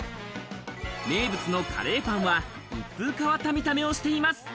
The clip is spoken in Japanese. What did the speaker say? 名物のカレーパンは一風変わった見た目をしています。